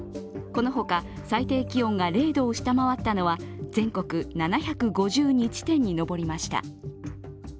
この他最低気温が０度を下回ったのは全国７５２地点に上りました。